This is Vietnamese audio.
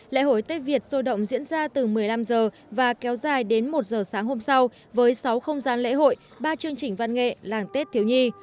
lễ hội tết việt sôi động diễn ra từ một mươi năm h và kéo dài đến một h sáng hôm sau với sáu không gian lễ hội ba chương trình văn nghệ làng tết thiếu nhi